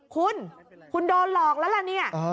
คุณคุณโดนหลอกแล้วล่ะเนี่ย